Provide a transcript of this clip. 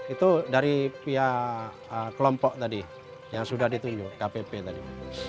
itu dari pihak kelompok tadi yang sudah ditunjuk kpp tadi